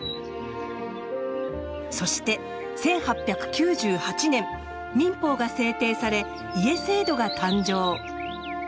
そして１８９８年民法が制定され「家制度」が誕生。